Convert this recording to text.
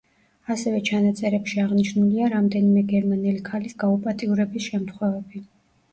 ასევე ჩანაწერებში აღნიშნულია რამდენიმე გერმანელი ქალის გაუპატიურების შემთხვევები.